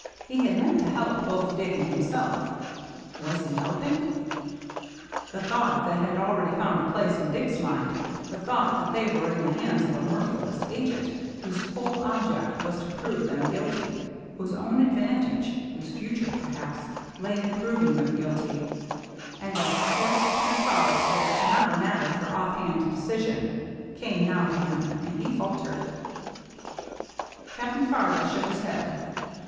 He had meant to help both Dick and himself — was he helping? THE EVENING OF THE SAME DAY 219 The thought that had already found a place in Dick's mind, the thought that they were in the hands of a merciless agent, whose whole object was to prove them guilty, whose own advan tage, whose future perhaps, lay in proving them guilty — and that the course to be fol lowed was not a matter for offhand decision, came now to him, and he faltered. Captain Fargo shook his head.